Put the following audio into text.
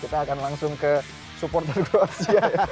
kita akan langsung ke supporter kroasia